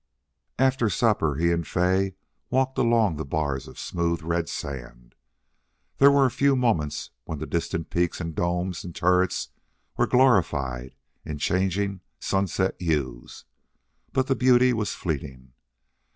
After supper he and Fay walked along the bars of smooth, red sand. There were a few moments when the distant peaks and domes and turrets were glorified in changing sunset hues. But the beauty was fleeting.